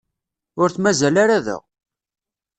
Ur t-mazal ara da.